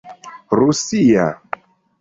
rusia